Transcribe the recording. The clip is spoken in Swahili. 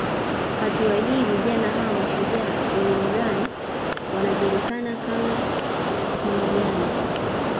Hatua hii vijana hawa mashujaa ilmurran wanajulikana kama ilkiliyani